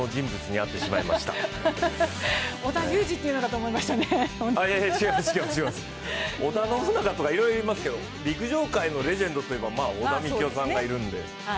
違います、織田信長とかいろいろいますけれども、陸上界のレジェンドといえば、織田幹雄さんがいるんで。